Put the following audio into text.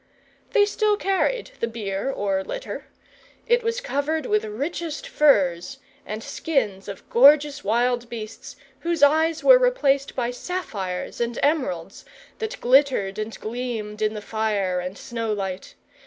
They still carried the bier or litter. It was covered with richest furs, and skins of gorgeous wild beasts, whose eyes were replaced by sapphires and emeralds, that glittered and gleamed in the fire and snow light.